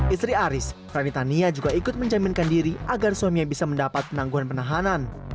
istri aris ranitania juga ikut menjaminkan diri agar suaminya bisa mendapat penangguhan penahanan